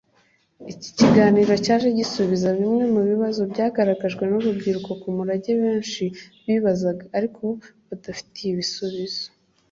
Iki kiganiro cyaje gisubiza bimwe mu bibazo byagaragajwe n urubyiruko ku murage benshi bibazaga ariko batabifitiye ibisubizo.